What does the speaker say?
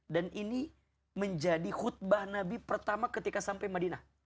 dan ini menjadi khutbah nabi pertama ketika sampai madinah